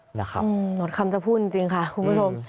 หมดคำจะพูดจริงค่ะคุณผู้ชม